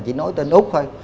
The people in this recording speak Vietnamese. chỉ nói tên úc thôi